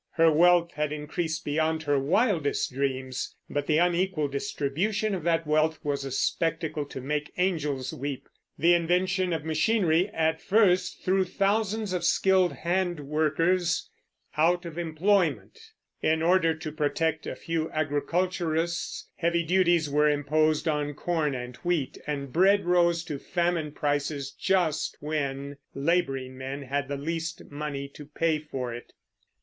Her wealth had increased beyond her wildest dreams; but the unequal distribution of that wealth was a spectacle to make angels weep. The invention of machinery at first threw thousands of skilled hand workers out of employment; in order to protect a few agriculturists, heavy duties were imposed on corn and wheat, and bread rose to famine prices just when laboring men had the least money to pay for it.